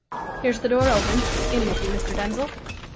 Here's the door open in with you, Mr. Denzil!"